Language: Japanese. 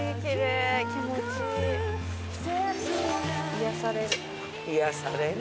癒やされる。